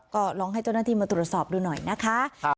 ก็ลองให้เจ้าหน้าที่มาตรวจสอบดูหน่อยนะคะ